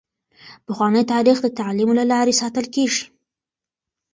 پخوانی تاریخ د تعلیم له لارې ساتل کیږي.